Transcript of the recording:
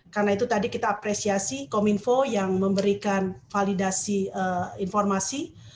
karena itu tadi kita apresiasi kominfo yang memberikan validasi informasi